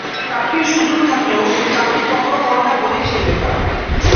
চাকরির সুযোগ থাকলেও সে চাকরি কখনো করে না বলেই সে বেকার।